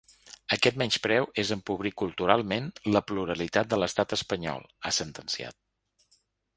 Aquest menyspreu és empobrir culturalment la pluralitat de l’estat espanyol, ha sentenciat.